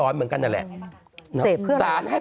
เสพแล้วมันเกิดอะไร